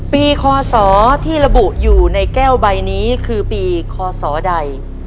ปีคอสอที่ระบุอยู่ในแก้วใบนี้คือปีคอสอใด